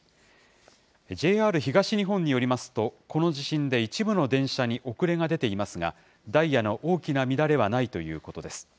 ＪＲ東日本によりますと、この地震で一部の電車に遅れが出ていますが、ダイヤの大きな乱れはないということです。